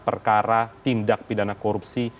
perkara tindak pidana korupsi